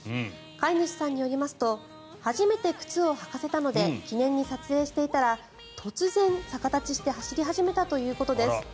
飼い主さんによりますと初めて靴を履かせたので記念に撮影していたら突然、逆立ちして走り始めたということです。